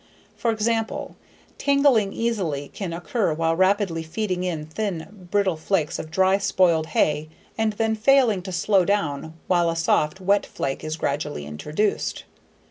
For example, tangling easily can occur while rapidly feeding in thin brittle flakes of dry spoiled hay and then failing to slow down while a soft, wet flake is gradually reduced.